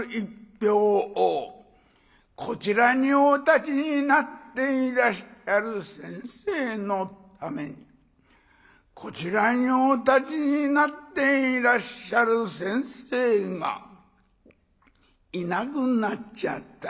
１票をこちらにお立ちになっていらっしゃる先生のためにこちらにお立ちになっていらっしゃる先生がいなくなっちゃった。